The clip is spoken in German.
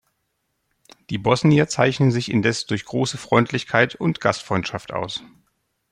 Die Bosnier zeichnen sich indes durch große Freundlichkeit und Gastfreundschaft aus.